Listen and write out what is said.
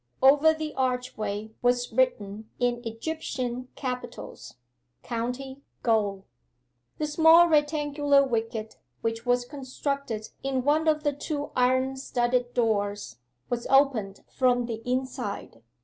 Over the archway was written in Egyptian capitals, 'COUNTY GAOL.' The small rectangular wicket, which was constructed in one of the two iron studded doors, was opened from the inside.